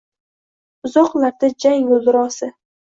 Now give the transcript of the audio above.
Uzoklarda jang guldurosi